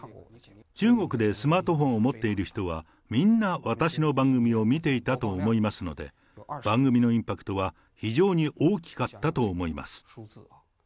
中国でスマートフォンを持っている人は、みんな、私の番組を見ていたと思いますので、番組のインパクトは非常に大きかったと思います。